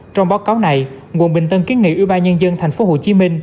trong báo cáo này ủy ban nhân dân quận bình tân kế nghị ủy ban nhân dân tp hcm